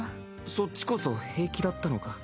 そっちこそ平気だったのか？